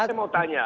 saya mau tanya